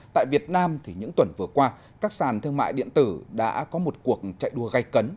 tại việt nam những tuần vừa qua các sàn thương mại điện tử đã có một cuộc chạy đua gây cấn